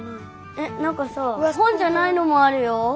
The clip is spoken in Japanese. えっなんかさほんじゃないのもあるよ。